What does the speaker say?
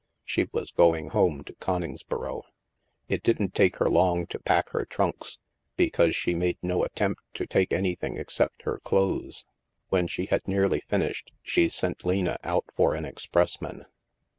She was going home to Coningsboro. It didn't take her long to pack her trunks, because she made no attempt to take anything except her clothes. When she had nearly finished, she sent Lena out for an expressman.